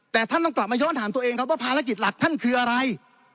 แต่ท่านต้องกลับมาย้อนถามตัวเองครับว่าภารกิจหลักท่านคืออะไร